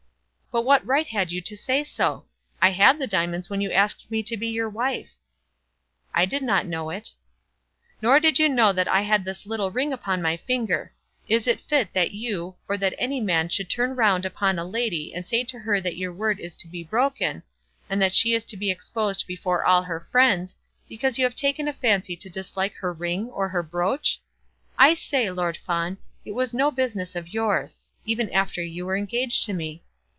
"But what right had you to say so? I had the diamonds when you asked me to be your wife." "I did not know it." "Nor did you know that I had this little ring upon my finger. Is it fit that you, or that any man should turn round upon a lady and say to her that your word is to be broken, and that she is to be exposed before all her friends, because you have taken a fancy to dislike her ring or her brooch? I say, Lord Fawn, it was no business of yours, even after you were engaged to me.